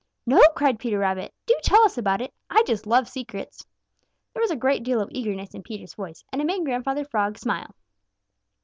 "No," cried Peter Rabbit. "Do tell us about it! I just love secrets." There was a great deal of eagerness in Peter's voice, and it made Grandfather Frog smile.